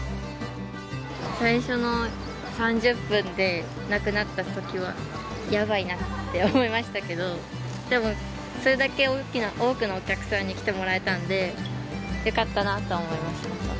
最初の３０分でなくなったときはやばいなって思いましたけどでもそれだけ多くのお客さんに来てもらえたのでよかったなとは思います。